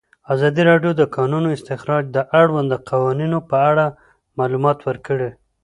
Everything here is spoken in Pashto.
ازادي راډیو د د کانونو استخراج د اړونده قوانینو په اړه معلومات ورکړي.